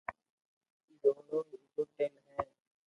جو رو ويگوتيل ھي